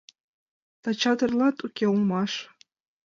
Тачат-эрлат уке улмаш.